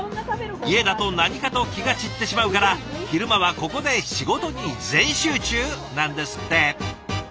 家だと何かと気が散ってしまうから昼間はここで仕事に全集中なんですって。